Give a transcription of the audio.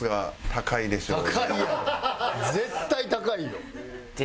絶対高いよ。